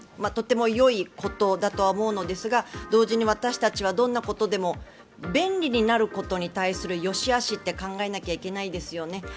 とてもよいことだとは思うのですが同時に私たちはどんなことでも便利になることに対するよしあしって考えなきゃいけないですよね。